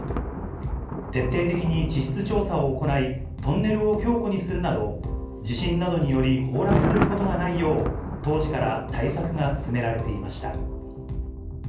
徹底的に地質調査を行い、トンネルを強固にするなど、地震などにより崩落することがないよう、当時から対策が進められていました。